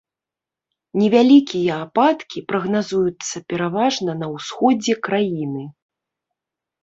Невялікія ападкі прагназуюцца пераважна на ўсходзе краіны.